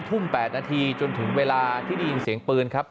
ทุ่ม๘นาทีจนถึงเวลาที่ได้ยินเสียงปืนครับ